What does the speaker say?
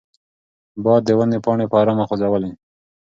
باد د ونې پاڼې په ارامه خوځولې.